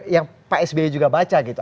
yang pak sby juga baca gitu